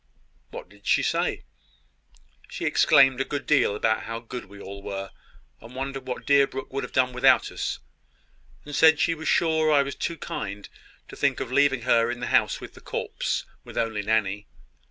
"What did she say?" "She exclaimed a great deal about how good we all were, and wondered what Deerbrook would have done without us; and said she was sure I was too kind to think of leaving her in the house with the corpse, with only Nanny.